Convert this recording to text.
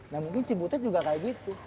nah mungkin si butet juga kayak gitu